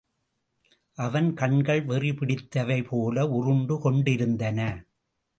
அவன் கண்கள் வெறி பிடித்தவை போல உருண்டு கொண்டிருந்தன.